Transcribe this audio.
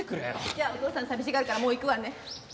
じゃあお父さん寂しがるからもう行くわね。